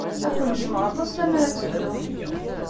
Ad ken-jjmeɣ aṭas lemmer ad teddum.